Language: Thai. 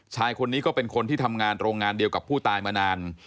ชายคนนี้ก็เป็นคนที่ทำงานโรงงานเดียวกับผู้ตายมานาน